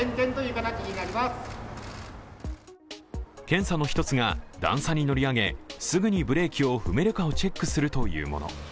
検査の一つが段差に乗り上げすぐにブレーキを踏めるかをチェックするというもの。